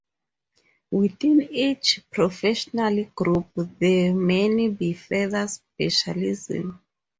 Within each professional group there may be further specialisms.